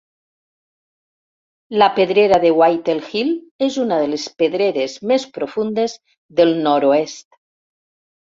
La Pedrera de Whittle Hill és una de les pedreres més profundes del nord-oest.